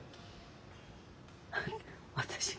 私が？